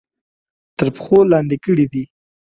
تر پښو لاندې کړي دي.